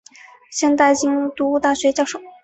现任京都大学教授。